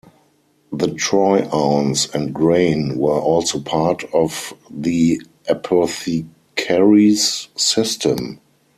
The troy ounce and grain were also part of the apothecaries' system.